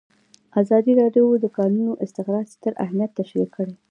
ازادي راډیو د د کانونو استخراج ستر اهميت تشریح کړی.